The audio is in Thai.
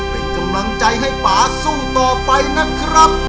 เป็นกำลังใจให้ป่าสู้ต่อไปนะครับ